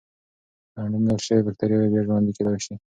کنګل شوې بکتریاوې بیا ژوندی کېدای شي.